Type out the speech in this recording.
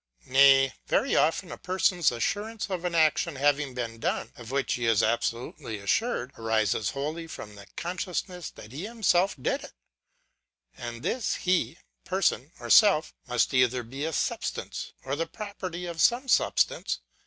Nay, very often a person's assurance of an action having Of the Nature of Virtue 263 been done, of which he is absolutely assured, arises wholly from the consciousness that he himself did it. And this he, person, or self, must either be a substance, or the property of some substance.